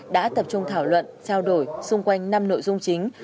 đã tập trung thảo luận trao đổi xung quanh năm nội dung chính